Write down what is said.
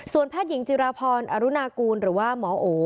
แพทย์หญิงจิราพรอรุณากูลหรือว่าหมอโอ